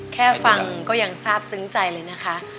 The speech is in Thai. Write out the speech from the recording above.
แค่ฟังก็ยังทราบซึ้งใจเลยนะคะ